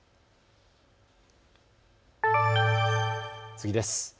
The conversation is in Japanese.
次です。